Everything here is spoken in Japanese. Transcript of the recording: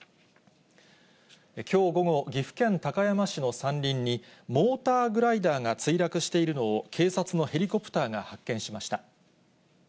きょう午後、岐阜県高山市の山林に、モーターグライダーが墜落しているのを、警察のヘリコプターが発見しました。